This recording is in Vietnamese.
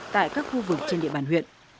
tại các khu vực trên địa bàn huyện